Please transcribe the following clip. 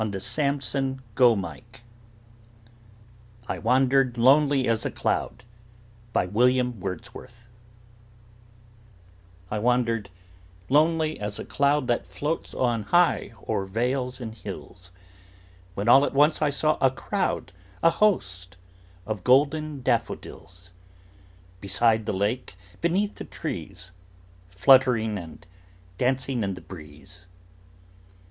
William Wordsworth I Wandered Lonely As a Cloud I WANDERED lonely as a cloud That floats on high o'er vales and hills, When all at once I saw a crowd, A host, of golden daffodils; Beside the lake, beneath the trees, Fluttering and dancing in the breeze.